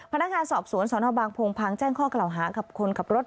พนักงานสอบสวนสนบางโพงพังแจ้งข้อกล่าวหากับคนขับรถ